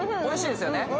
おいしいですよね？